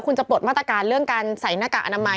คุณจะปลดมาตรการเรื่องการใส่หน้ากากอนามัย